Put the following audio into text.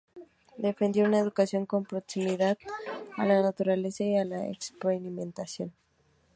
Defendió una educación con proximidad a la naturaleza y la experimentación.